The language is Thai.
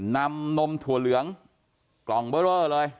นมถั่วเหลืองกล่องเบอร์เรอเลย